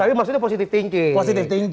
tapi maksudnya positif thinking